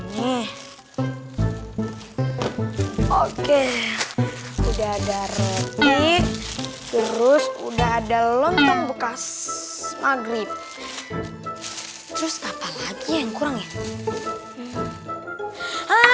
nih oke udah ada roti terus udah ada lontong bekas maghrib terus apa lagi yang kurang ya